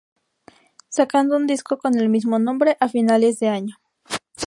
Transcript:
Sacando un disco con el mismo nombre a finales de año.